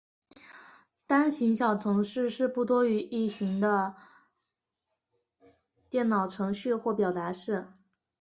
单行小程式是不多于一行的电脑程序或表达式。